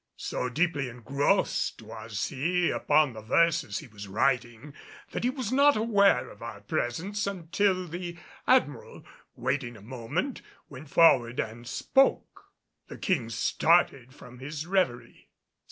So deeply engrossed was he upon the verses he was writing that he was not aware of our presence until the Admiral, waiting a moment, went forward and spoke. The King started from his reverie.